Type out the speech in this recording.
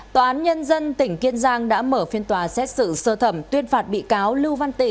tòa án nhân dân tỉnh kiên giang đã mở phiên tòa xét xử sơ thẩm tuyên phạt bị cáo lưu văn tỷ